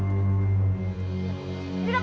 ini udah bersih belum